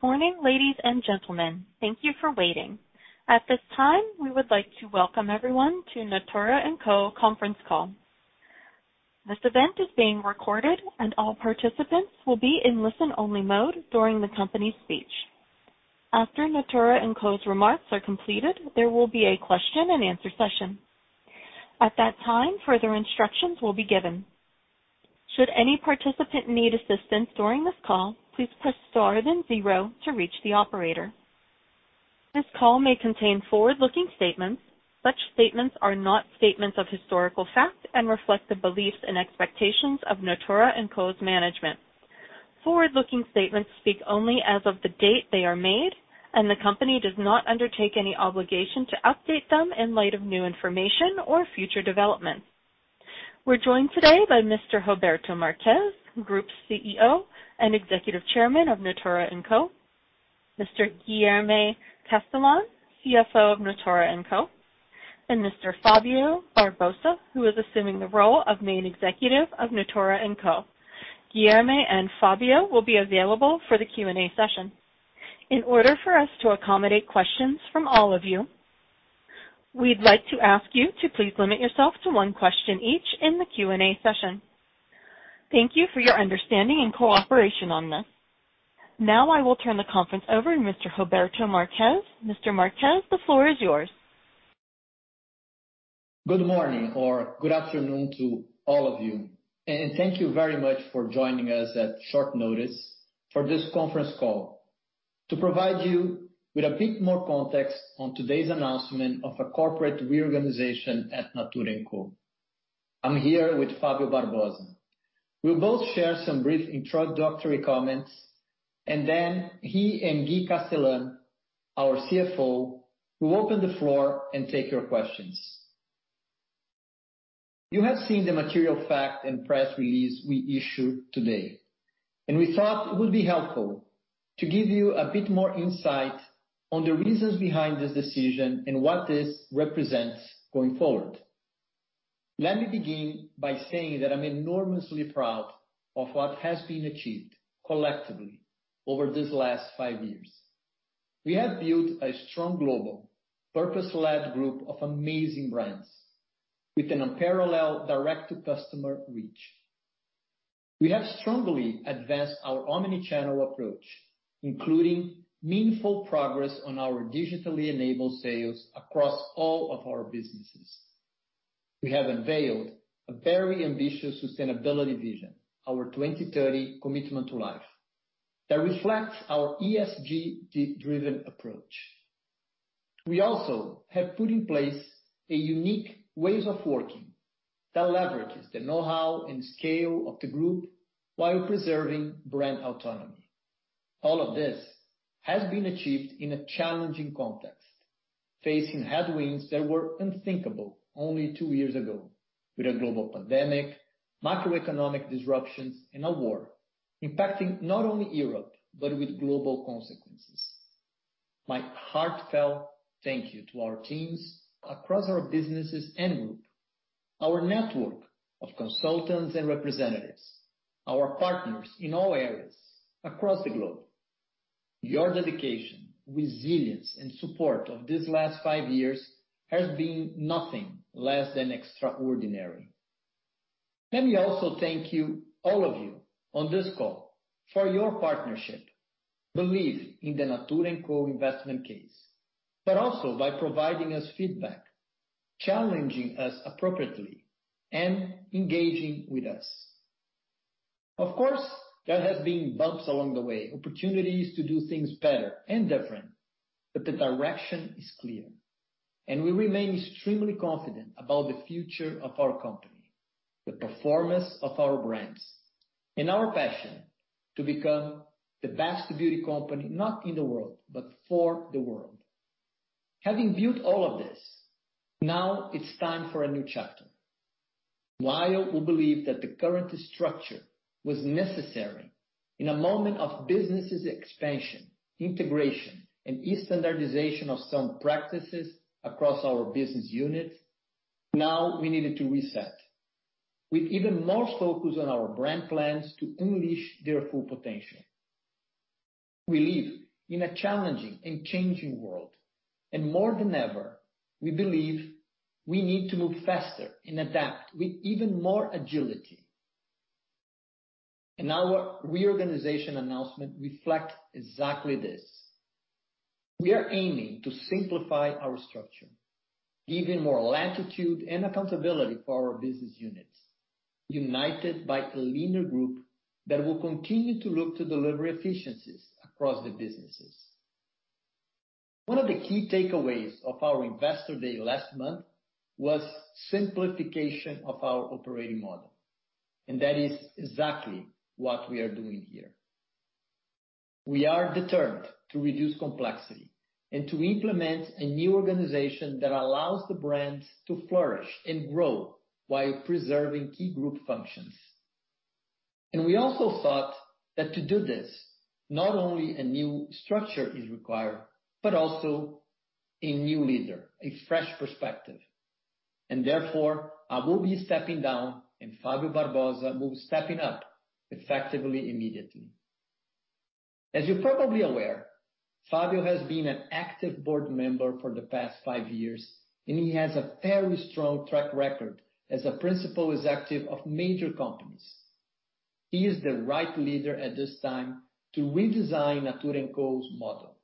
Good morning, ladies and gentlemen. Thank you for waiting. At this time, we would like to welcome everyone to Natura &Co conference call. This event is being recorded, and all participants will be in listen-only mode during the company's speech. After Natura &Co's remarks are completed, there will be a question-and-answer session. At that time, further instructions will be given. Should any participant need assistance during this call, please press star then zero to reach the operator. This call may contain forward-looking statements. Such statements are not statements of historical fact and reflect the beliefs and expectations of Natura &Co's management. Forward-looking statements speak only as of the date they are made, and the company does not undertake any obligation to update them in light of new information or future developments. We're joined today by Mr. Roberto Marques, Group CEO and Executive Chairman of Natura &Co, Mr. Guilherme Castellan, CFO of Natura &Co, and Mr. Fábio Barbosa, who is assuming the role of Chief Executive of Natura &Co. Guilherme and Fábio will be available for the Q&A session. In order for us to accommodate questions from all of you, we'd like to ask you to please limit yourself to one question each in the Q&A session. Thank you for your understanding and cooperation on this. Now I will turn the conference over to Mr. Roberto Marques. Mr. Marques, the floor is yours. Good morning or good afternoon to all of you, and thank you very much for joining us at short notice for this conference call. To provide you with a bit more context on today's announcement of a corporate reorganization at Natura &Co, I'm here with Fábio Barbosa. We'll both share some brief introductory comments, and then he and Guilherme Castellan, our CFO, will open the floor and take your questions. You have seen the material fact and press release we issued today, and we thought it would be helpful to give you a bit more insight on the reasons behind this decision and what this represents going forward. Let me begin by saying that I'm enormously proud of what has been achieved collectively over these last five years. We have built a strong global, purpose-led group of amazing brands with an unparalleled direct-to-customer reach. We have strongly advanced our omni-channel approach, including meaningful progress on our digitally enabled sales across all of our businesses. We have unveiled a very ambitious sustainability vision, our 2030 Commitment to Life, that reflects our ESG-driven approach. We also have put in place a unique ways of working that leverages the know-how and scale of the group while preserving brand autonomy. All of this has been achieved in a challenging context, facing headwinds that were unthinkable only two years ago with a global pandemic, macroeconomic disruptions, and a war impacting not only Europe, but with global consequences. My heartfelt thank you to our teams across our businesses and group, our network of consultants and representatives, our partners in all areas across the globe. Your dedication, resilience, and support of these last five years has been nothing less than extraordinary. Let me also thank you, all of you, on this call for your partnership, belief in the Natura &Co investment case, but also by providing us feedback, challenging us appropriately, and engaging with us. Of course, there has been bumps along the way, opportunities to do things better and different, but the direction is clear, and we remain extremely confident about the future of our company, the performance of our brands, and our passion to become the best beauty company, not in the world, but for the world. Having built all of this, now it's time for a new chapter. While we believe that the current structure was necessary in a moment of business expansion, integration, and standardization of some practices across our business unit, now we needed to reset. With even more focus on our brand plans to unleash their full potential. We live in a challenging and changing world, and more than ever, we believe we need to move faster and adapt with even more agility. Our reorganization announcement reflects exactly this. We are aiming to simplify our structure, giving more latitude and accountability for our business units, united by a leaner group that will continue to look to deliver efficiencies across the businesses. One of the key takeaways of our investor day last month was simplification of our operating model, and that is exactly what we are doing here. We are determined to reduce complexity and to implement a new organization that allows the brands to flourish and grow while preserving key group functions. We also thought that to do this, not only a new structure is required, but also a new leader, a fresh perspective. Therefore, I will be stepping down and Fábio Barbosa will be stepping down effectively immediately. As you're probably aware, Fábio has been an active board member for the past five years, and he has a very strong track record as a principal executive of major companies. He is the right leader at this time to redesign Natura &Co's model,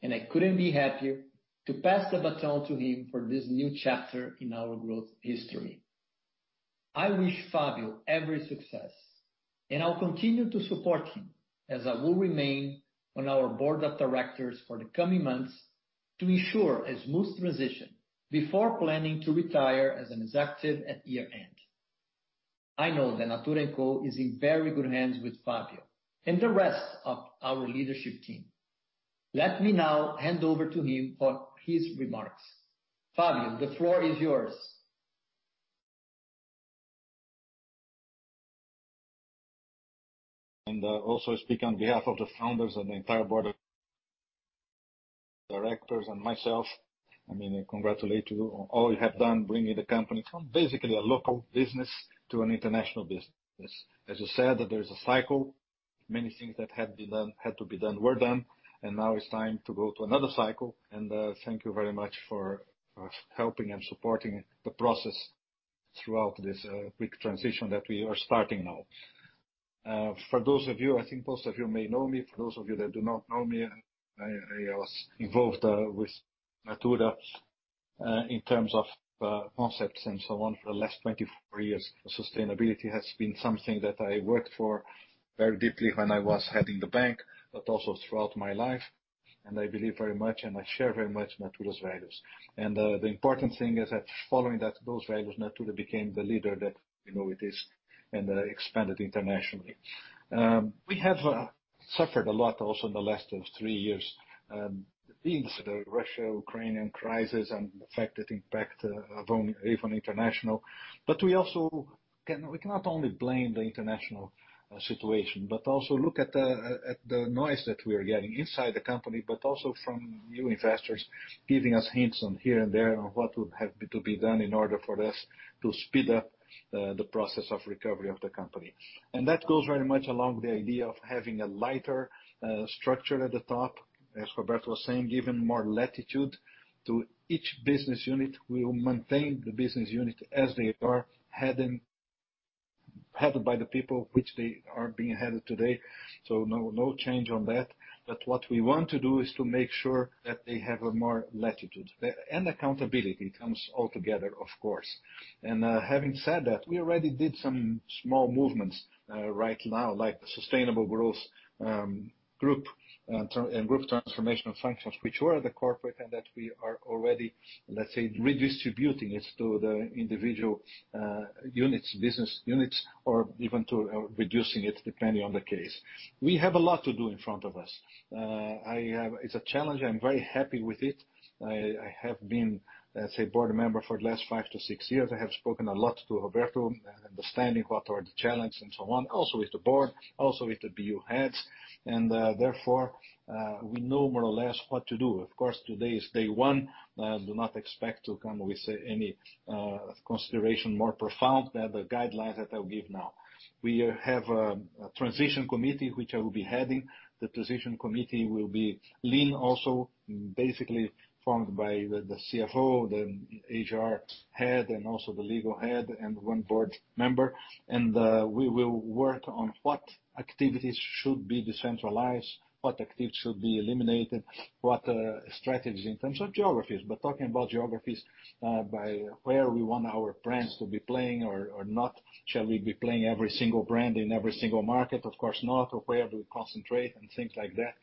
and I couldn't be happier to pass the baton to him for this new chapter in our growth history. I wish Fábio every success, and I'll continue to support him, as I will remain on our board of directors for the coming months to ensure a smooth transition before planning to retire as an executive at year-end. I know that Natura &Co is in very good hands with Fábio and the rest of our leadership team. Let me now hand over to him for his remarks. Fábio, the floor is yours. Also speak on behalf of the founders and the entire board of directors and myself. I mean, I congratulate you on all you have done bringing the company from basically a local business to an international business. As you said, there is a cycle. Many things that had to be done were done, and now it's time to go to another cycle. Thank you very much for helping and supporting the process throughout this quick transition that we are starting now. For those of you, I think most of you may know me. For those of you that do not know me, I was involved with Natura in terms of concepts and so on for the last 24 years. Sustainability has been something that I worked for very deeply when I was heading the bank, but also throughout my life. I believe very much, and I share very much Natura's values. The important thing is that following that, those values, Natura became the leader that we know it is and expanded internationally. We have suffered a lot also in the last three years since the Russo-Ukrainian crisis and the effect, its impact, even internationally. We cannot only blame the international situation, but also look at the noise that we are getting inside the company, but also from new investors giving us hints here and there on what would have to be done in order for us to speed up the process of recovery of the company. That goes very much along the idea of having a lighter structure at the top, as Roberto was saying, giving more latitude to each business unit. We will maintain the business units as they are headed by the people who are heading them today. No change on that. What we want to do is to make sure that they have more latitude, and accountability comes all together, of course. Having said that, we already did some small movements right now, like sustainable growth group and group transformational functions, which were the corporate and that we are already, let's say, redistributing it to the individual units, business units, or even to reducing it depending on the case. We have a lot to do in front of us. It's a challenge. I'm very happy with it. I have been, let's say, a board member for the last five to six years. I have spoken a lot to Roberto, understanding what are the challenges and so on, also with the board, also with the BU heads. Therefore, we know more or less what to do. Of course, today is day one. Do not expect to come with any consideration more profound than the guidelines that I'll give now. We have a transition committee which I will be heading. The transition committee will be lean also, basically formed by the CFO, the HR head, and also the legal head, and one board member. We will work on what activities should be decentralized, what activities should be eliminated, what strategies in terms of geographies. Talking about geographies, by where we want our brands to be playing or not, shall we be playing every single brand in every single market? Of course not. Where do we concentrate and things like that.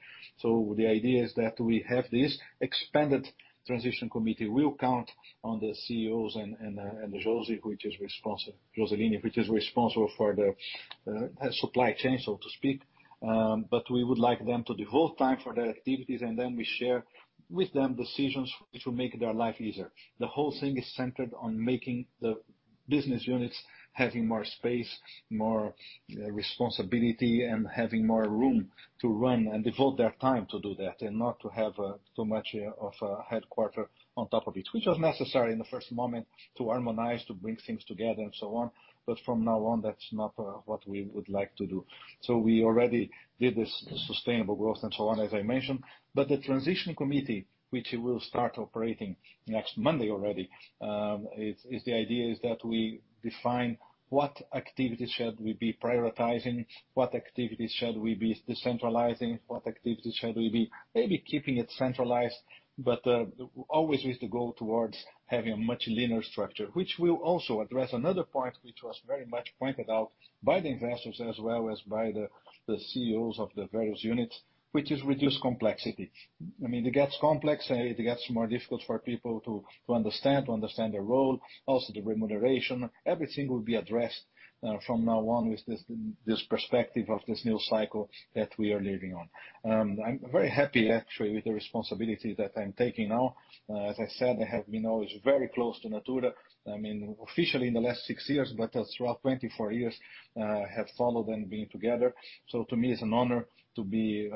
The idea is that we have this expanded transition committee. We'll count on the CEOs and Josie, which is responsible for the supply chain, so to speak. We would like them to devote time for their activities, and then we share with them decisions which will make their life easier. The whole thing is centered on making the business units having more space, more responsibility, and having more room to run and devote their time to do that, and not to have too much of a headquarters on top of it, which was necessary in the first moment to harmonize, to bring things together and so on. From now on, that's not what we would like to do. We already did this sustainable growth and so on, as I mentioned. The transition committee, which will start operating next Monday already, is the idea that we define what activities should we be prioritizing, what activities should we be decentralizing, what activities should we be maybe keeping it centralized, but always with the goal towards having a much leaner structure. Which will also address another point which was very much pointed out by the investors as well as by the CEOs of the various units, which is reduce complexity. I mean, it gets complex, it gets more difficult for people to understand their role, also the remuneration. Everything will be addressed from now on with this perspective of this new cycle that we are living on. I'm very happy actually with the responsibility that I'm taking now. As I said, I have been always very close to Natura. I mean, officially in the last six years, but throughout 24 years, have followed and been together. So to me, it's an honor to be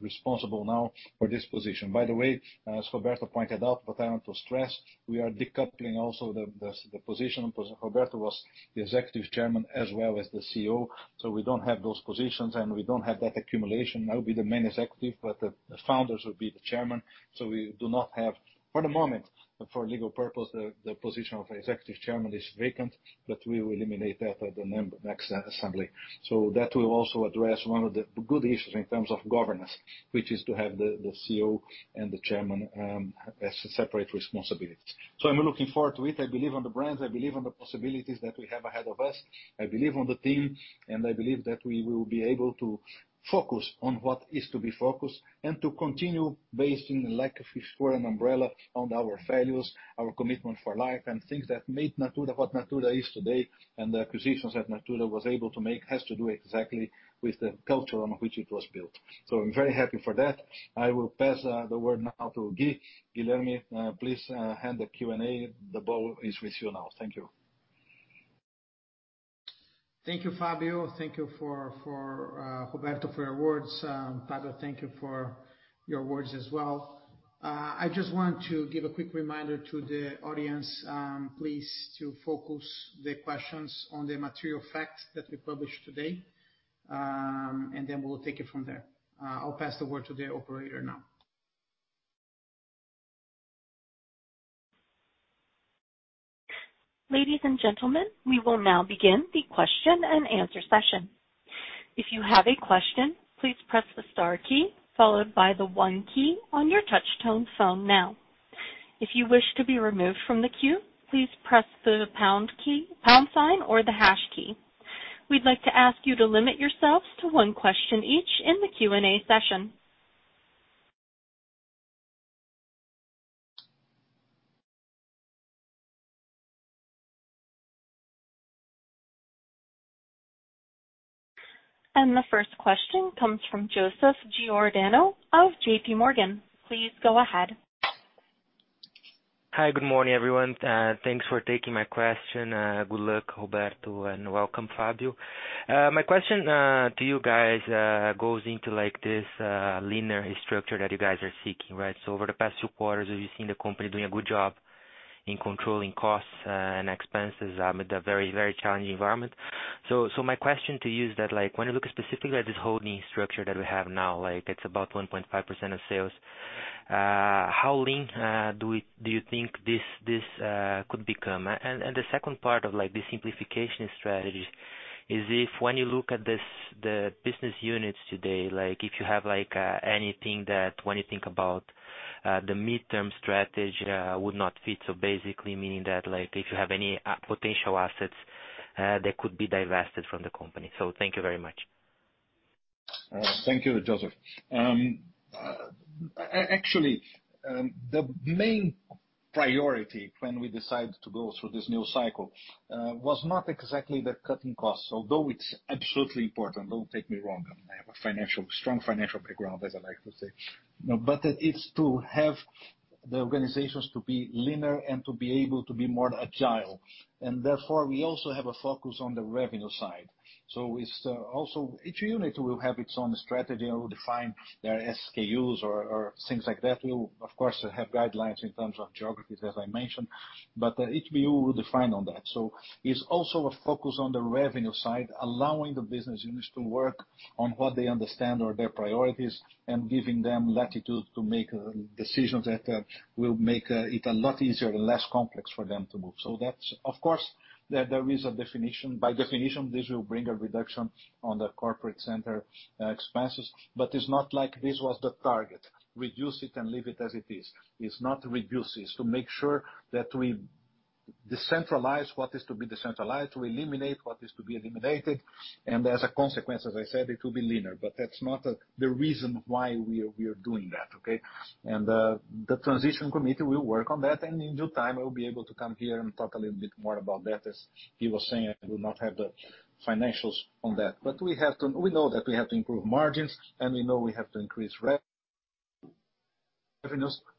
responsible now for this position. By the way, as Roberto pointed out, but I want to stress, we are decoupling also the position. Roberto was the executive chairman as well as the CEO. We don't have those positions, and we don't have that accumulation. I'll be the main executive, but the founders will be the chairman. For the moment, for legal purpose, the position of executive chairman is vacant, but we will eliminate that at the next assembly. That will also address one of the good issues in terms of governance, which is to have the CEO and the chairman as separate responsibilities. I'm looking forward to it. I believe on the brands. I believe on the possibilities that we have ahead of us. I believe in the team, and I believe that we will be able to focus on what is to be focused and to continue based on like a fish for an umbrella on our values, our Commitment to Life, and things that made Natura what Natura is today. The acquisitions that Natura was able to make has to do exactly with the culture on which it was built. I'm very happy for that. I will pass the word now to Gui, Guilherme, please, handle the Q&A. The ball is with you now. Thank you. Thank you, Fábio. Thank you, Roberto, for your words. Fábio, thank you for your words as well. I just want to give a quick reminder to the audience, please focus the questions on the material facts that we published today. We'll take it from there. I'll pass the word to the operator now. Ladies and gentlemen, we will now begin the question-and-answer session. If you have a question, please press the star key followed by the one key on your touch-tone phone now. If you wish to be removed from the queue, please press the pound key, pound sign or the hash key. We'd like to ask you to limit yourselves to one question each in the Q&A session. The first question comes from Joseph Giordano of J.P. Morgan. Please go ahead. Hi, good morning, everyone. Thanks for taking my question. Good luck, Roberto, and welcome, Fábio. My question to you guys goes into, like, this leaner structure that you guys are seeking, right? Over the past two quarters, we've seen the company doing a good job in controlling costs and expenses with a very, very challenging environment. My question to you is that, like, when you look specifically at this whole new structure that we have now, like it's about 1.5% of sales, how lean do you think this could become? The second part of the simplification strategies is if when you look at this, the business units today, like, if you have, like, anything that when you think about the mid-term strategy would not fit. Basically meaning that, like, if you have any, potential assets, that could be divested from the company. Thank you very much. Thank you, Joseph. Actually, the main priority when we decided to go through this new cycle was not exactly the cutting costs. Although it's absolutely important, don't take me wrong. I have a strong financial background, as I like to say. It's to have the organizations to be leaner and to be able to be more agile. We also have a focus on the revenue side. It's also each unit will have its own strategy. It will define their SKUs or things like that. We'll of course have guidelines in terms of geographies, as I mentioned, but each unit will decide on that. It's also a focus on the revenue side, allowing the business units to work on what they understand are their priorities and giving them latitude to make decisions that will make it a lot easier and less complex for them to move. That's. Of course, there is a definition. By definition, this will bring a reduction on the corporate center expenses. It's not like this was the target. Reduce it and leave it as it is. It's not to reduce, it's to make sure that we decentralize what is to be decentralized, we eliminate what is to be eliminated, and as a consequence, as I said, it will be linear. That's not the reason why we are doing that, okay? The transition committee will work on that, and in due time, I will be able to come here and talk a little bit more about that. As he was saying, I do not have the financials on that. We know that we have to improve margins, and we know we have to increase revenues,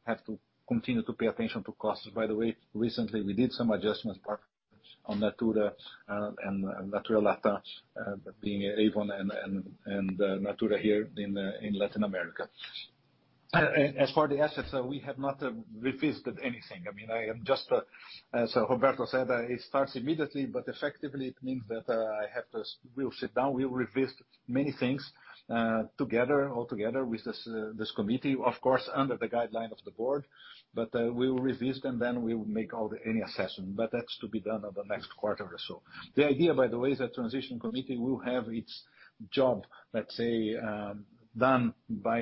have to continue to pay attention to costs. By the way, recently we did some adjustments part on Natura and Natura &Co, being Avon and Natura here in Latin America. As far as the assets, we have not revisited anything. I mean, I am just. As Roberto said, it starts immediately, but effectively it means that we'll sit down, we'll revisit many things together, all together with this committee. Of course, under the guideline of the board. We will revisit and then we will make any assessment. That's to be done on the next quarter or so. The idea, by the way, is that transition committee will have its job, let's say, done by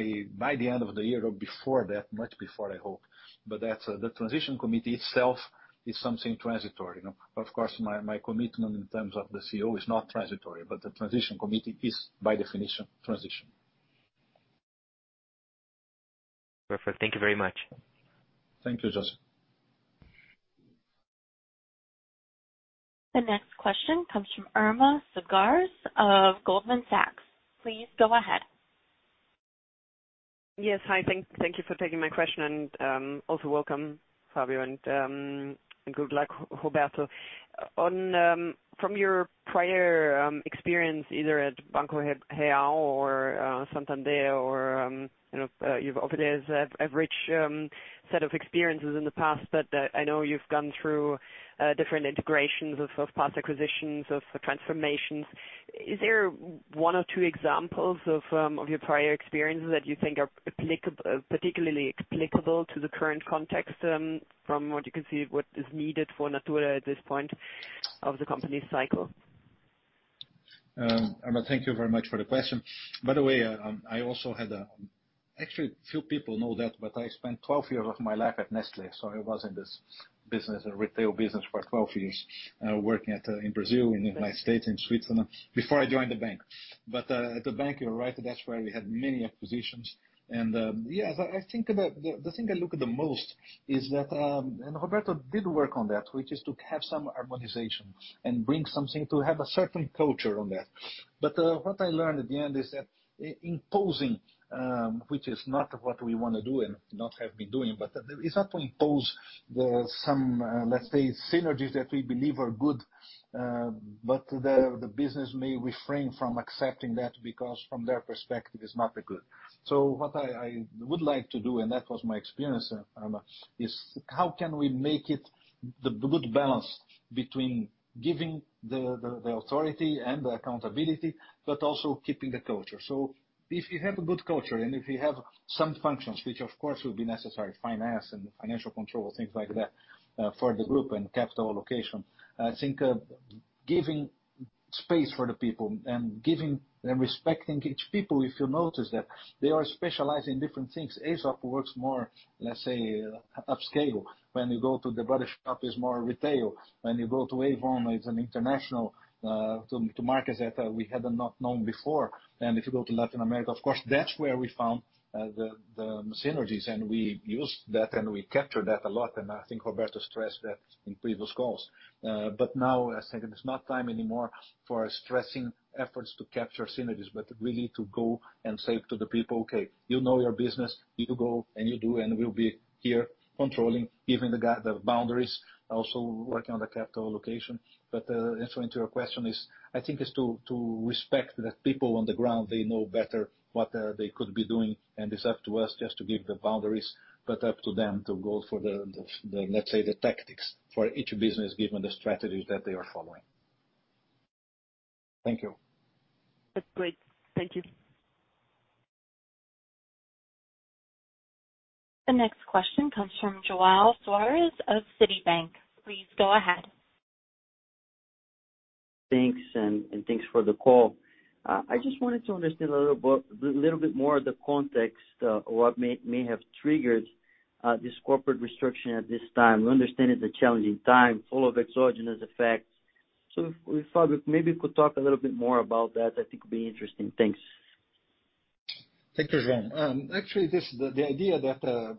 the end of the year or before that, much before, I hope. That's the transition committee itself is something transitory. Of course my commitment in terms of the CEO is not transitory. The transition committee is by definition transition. Perfect. Thank you very much. Thank you, Joseph. The next question comes from Irma Sgarz of Goldman Sachs. Please go ahead. Yes. Hi. Thank you for taking my question and also welcome, Fábio, and good luck, Roberto. From your prior experience, either at Banco Real or Santander or you know, you've obviously has a rich set of experiences in the past, but I know you've gone through different integrations of past acquisitions of transformations. Is there one or two examples of your prior experiences that you think are particularly applicable to the current context from what you can see what is needed for Natura at this point of the company's cycle? Irma, thank you very much for the question. By the way, actually, few people know that, but I spent 12 years of my life at Nestlé. I was in this business, retail business for 12 years, working in Brazil, in United States, in Switzerland, before I joined the bank. At the bank, you're right, that's where we had many acquisitions. Yes, I think the thing I look at the most is that, and Roberto did work on that, which is to have some harmonization and bring something to have a certain culture on that. What I learned at the end is that imposing, which is not what we wanna do and not have been doing, but it's not to impose the, some, let's say, synergies that we believe are good, but the business may refrain from accepting that because from their perspective, it's not that good. What I would like to do, and that was my experience, is how can we make it the good balance between giving the authority and the accountability, but also keeping the culture. If you have a good culture and if you have some functions, which of course will be necessary, finance and financial control, things like that, for the group and capital allocation, I think, giving space for the people and giving and respecting each people, if you notice that they are specialized in different things. Aesop works more, let's say, upscale. When you go to The Body Shop is more retail. When you go to Avon, it's an international to markets that we had not known before. If you go to Latin America, of course, that's where we found the synergies, and we used that, and we captured that a lot, and I think Roberto stressed that in previous calls. Now, I think it's not time anymore for stressing efforts to capture synergies, but we need to go and say to the people, "Okay, you know your business. You go, and you do, and we'll be here controlling, giving the boundaries, also working on the capital allocation." Answering to your question is, I think, to respect that people on the ground, they know better what they could be doing, and it's up to us just to give the boundaries, but up to them to go for the, let's say, the tactics for each business, given the strategies that they are following. Thank you. That's great. Thank you. The next question comes from João Soares of Citibank. Please go ahead. Thanks, and thanks for the call. I just wanted to understand a little bit more of the context, what may have triggered this corporate restructuring at this time. We understand it's a challenging time, full of exogenous effects. If Fábio maybe could talk a little bit more about that, I think it'd be interesting. Thanks. Thank you, João. Actually, this, the idea that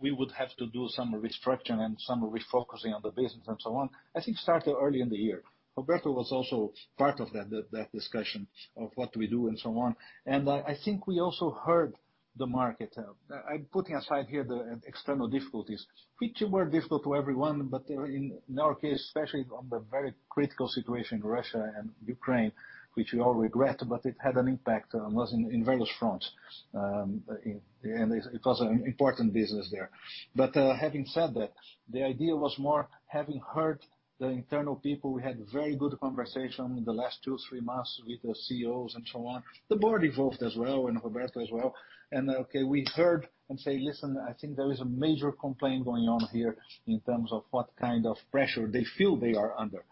we would have to do some restructuring and some refocusing on the business and so on, I think started early in the year. Roberto was also part of that discussion of what do we do and so on. I think we also heard the market. I'm putting aside here the external difficulties, which were difficult to everyone, but in our case, especially on the very critical situation, Russia and Ukraine, which we all regret, but it had an impact, was in various fronts. It was an important business there. Having said that, the idea was more having heard the internal people. We had very good conversation the last two, three months with the CEOs and so on. The board evolved as well and Roberto as well. Okay, we heard them say, "Listen, I think there is a major complaint going on here in terms of what kind of pressure they feel they are under."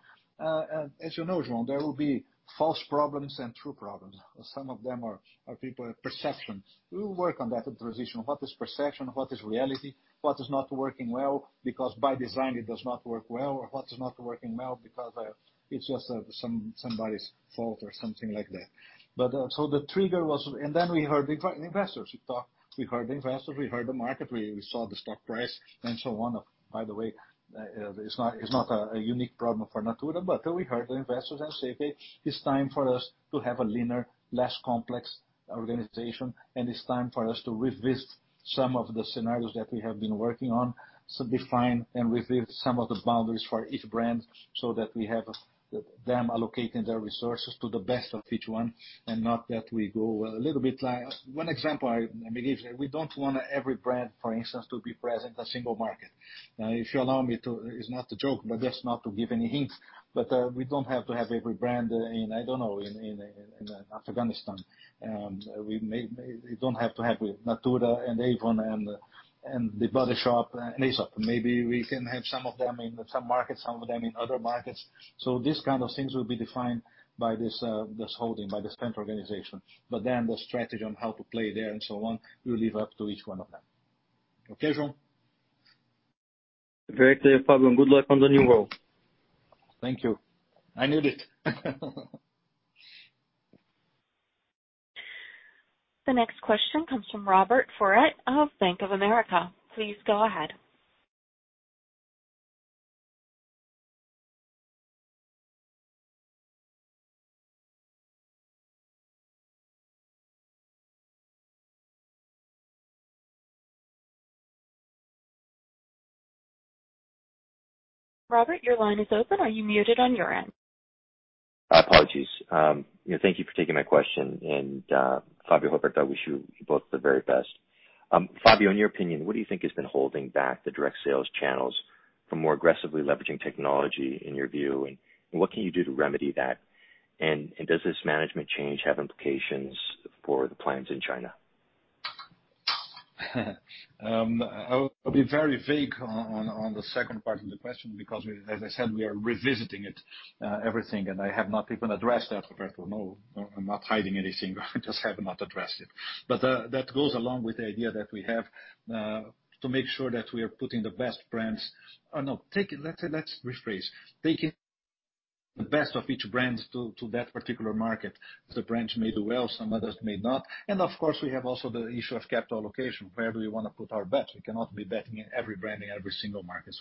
As you know, João, there will be false problems and true problems. Some of them are people's perceptions. We will work on that in transition. What is perception? What is reality? What is not working well? Because by design, it does not work well or what is not working well because it's just somebody's fault or something like that. The trigger was. Then we heard the investors. We talked, we heard the investors, we heard the market, we saw the stock price and so on. By the way, it's not a unique problem for Natura, but we heard the investors say, "Okay, it's time for us to have a leaner, less complex organization, and it's time for us to revisit some of the scenarios that we have been working on, so define and revisit some of the boundaries for each brand so that we have them allocating their resources to the best of each one, and not that we go a little bit like." One example I may give you. We don't want every brand, for instance, to be present in a single market. If you allow me to, it's not a joke, but just not to give any hints. We don't have to have every brand in, I don't know, in Afghanistan. We may. We don't have to have Natura and Avon and The Body Shop and Aesop. Maybe we can have some of them in some markets, some of them in other markets. These kind of things will be defined by this holding, by this parent organization. The strategy on how to play there and so on, we leave up to each one of them. Okay, João? Very clear, Fábio, and good luck on the new role. Thank you. I need it. The next question comes from Robert Ford of Bank of America. Please go ahead. Robert, your line is open. Are you muted on your end? Apologies. Thank you for taking my question. Fábio, Roberto, I wish you both the very best. Fábio, in your opinion, what do you think has been holding back the direct sales channels from more aggressively leveraging technology in your view, and what can you do to remedy that? Does this management change have implications for the plans in China? I'll be very vague on the second part of the question because as I said, we are revisiting it, everything, and I have not even addressed that, Roberto. No, I'm not hiding anything. I just have not addressed it. That goes along with the idea that we have to make sure that we are taking the best of each brands to that particular market. The brand may do well, some others may not. Of course, we have also the issue of capital allocation. Where do we wanna put our bet? We cannot be betting in every brand in every single market.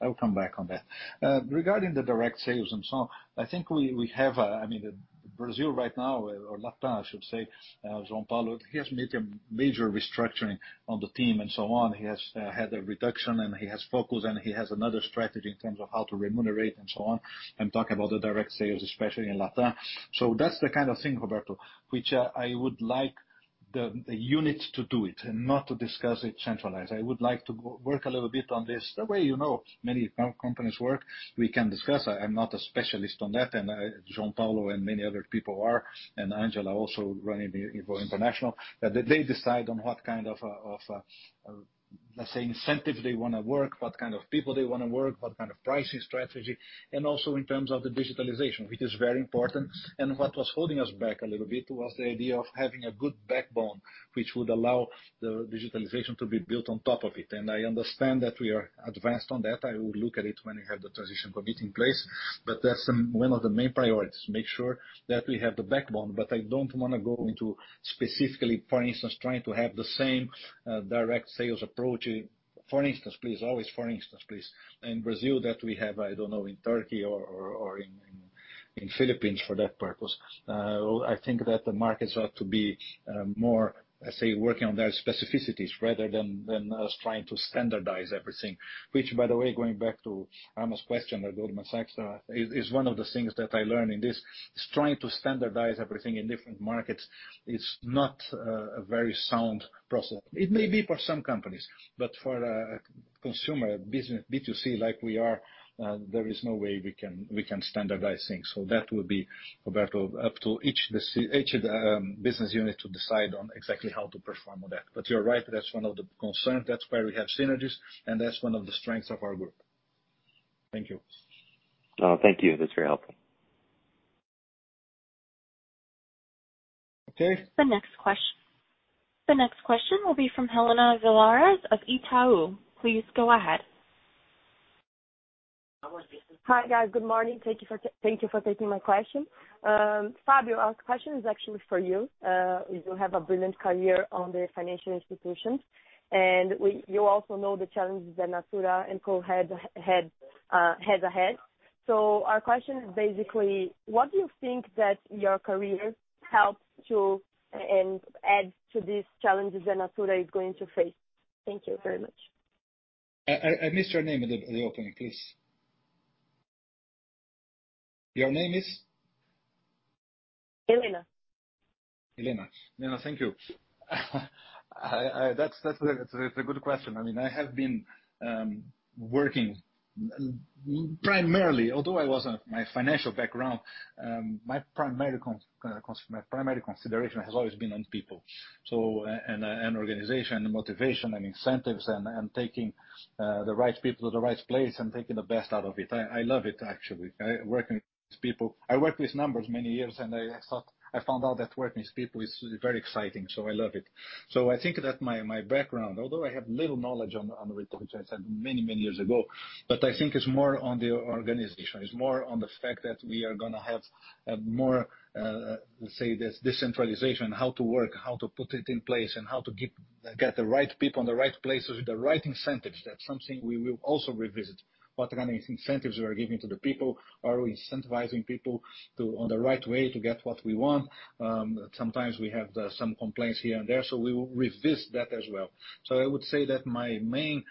I will come back on that. Regarding the direct sales and so on, I think, I mean, Brazil right now or Latin, I should say, João Paulo has made a major restructuring on the team and so on. He has had a reduction, and he has focused, and he has another strategy in terms of how to remunerate and so on. I'm talking about the direct sales, especially in Latin. That's the kind of thing, Roberto, which I would like the units to do it and not to discuss it centralized. I would like to work a little bit on this. The way, you know, many companies work, we can discuss. I'm not a specialist on that, João Paulo and many other people are, and Angela also running the Avon International, that they decide on what kind of of, let's say, incentive they wanna work, what kind of people they wanna work, what kind of pricing strategy. Also in terms of the digitalization, which is very important. What was holding us back a little bit was the idea of having a good backbone which would allow the digitalization to be built on top of it. I understand that we are advanced on that. I will look at it when we have the transition committee in place. That's one of the main priorities, make sure that we have the backbone. I don't wanna go into specifically, for instance, trying to have the same direct sales approach in Brazil that we have, I don't know, in Turkey or in Philippines for that purpose. I think that the markets ought to be more, let's say, working on their specificities rather than us trying to standardize everything. Which, by the way, going back to Irma's question at Goldman Sachs, is one of the things that I learned in this, trying to standardize everything in different markets is not a very sound process. It may be for some companies, but for a consumer business, B2C like we are, there is no way we can standardize things. That would be, Roberto, up to each of the business unit to decide on exactly how to perform on that. But you're right, that's one of the concerns. That's why we have synergies, and that's one of the strengths of our group. Thank you. Thank you. That's very helpful. Okay. The next question will be from Helena Villares of Itaú. Please go ahead. Hi, guys. Good morning. Thank you for taking my question. Fábio, our question is actually for you. You have a brilliant career in the financial institutions, and you also know the challenges that Natura &Co has ahead. Our question is basically, what do you think that your career helps to and adds to these challenges that Natura is going to face? Thank you very much. I missed your name at the opening, please. Your name is? Helena. Helena, thank you. That's a good question. I mean, I have been working primarily, although it wasn't my financial background, my primary consideration has always been on people and organization and motivation and incentives and taking the right people to the right place and taking the best out of it. I love it actually, working with people. I worked with numbers many years and I found out that working with people is very exciting. I love it. I think that my background, although I have little knowledge on retail, which I had many years ago, but I think it's more on the organization. It's more on the fact that we are gonna have more, let's say, this decentralization, how to work, how to put it in place, and how to get the right people in the right places with the right incentives. That's something we will also revisit. What kind of incentives we are giving to the people? Are we incentivizing people on the right way to get what we want? Sometimes we have some complaints here and there, so we will revisit that as well. I would say that my main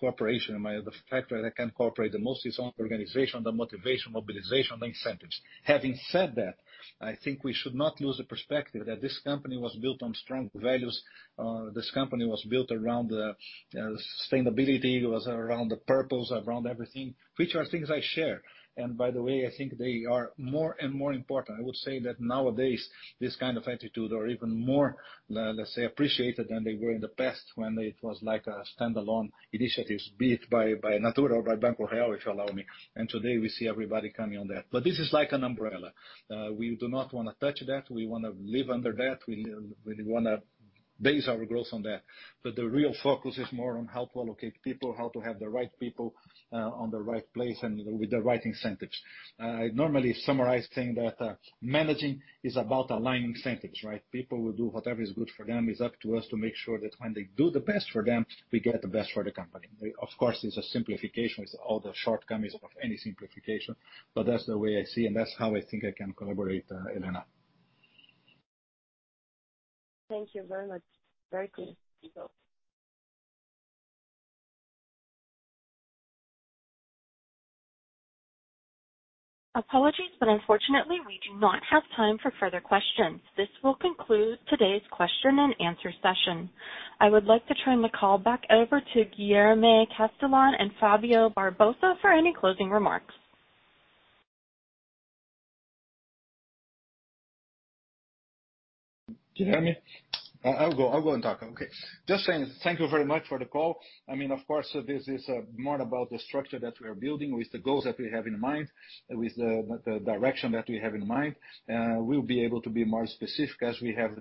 cooperation, the factor that can cooperate the most is on organization, the motivation, mobilization, the incentives. Having said that, I think we should not lose the perspective that this company was built on strong values. This company was built around sustainability, it was around the purpose, around everything, which are things I share. By the way, I think they are more and more important. I would say that nowadays, this kind of attitude are even more, let's say, appreciated than they were in the past when it was like a standalone initiatives, be it by Natura or by Banco Real, if you allow me. Today we see everybody coming on that. This is like an umbrella. We do not wanna touch that. We wanna live under that. We wanna base our growth on that. The real focus is more on how to allocate people, how to have the right people on the right place and with the right incentives. I normally summarize saying that managing is about aligning incentives, right? People will do whatever is good for them. It's up to us to make sure that when they do the best for them, we get the best for the company. Of course, it's a simplification with all the shortcomings of any simplification, but that's the way I see and that's how I think I can collaborate, Helena Villares. Thank you very much. Very clear. Apologies, but unfortunately we do not have time for further questions. This will conclude today's question and answer session. I would like to turn the call back over to Guilherme Castellan and Fábio Barbosa for any closing remarks. Guilherme? I'll go and talk. Okay. Just saying thank you very much for the call. I mean, of course, this is more about the structure that we are building with the goals that we have in mind, with the direction that we have in mind. We'll be able to be more specific as we have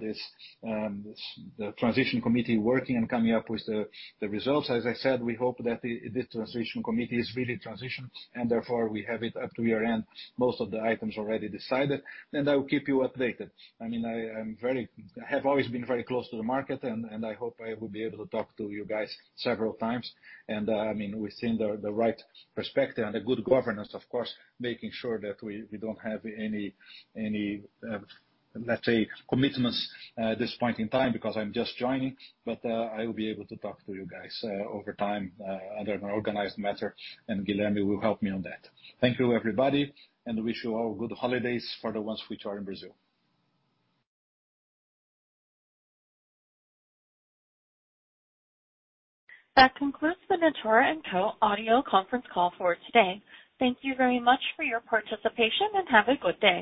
the transition committee working and coming up with the results. As I said, we hope that the transition committee is really transitioned, and therefore we have, up to year-end, most of the items already decided. I will keep you updated. I mean, I have always been very close to the market and I hope I will be able to talk to you guys several times. I mean, within the right perspective and a good governance, of course, making sure that we don't have any let's say commitments at this point in time because I'm just joining. I will be able to talk to you guys over time under an organized matter, and Guilherme will help me on that. Thank you everybody and wish you all good holidays for the ones which are in Brazil. That concludes the Natura &Co audio conference call for today. Thank you very much for your participation, and have a good day.